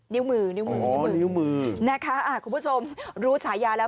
นิ้วมือนิ้วมือนะคะคุณผู้ชมรู้ฉายาแล้ว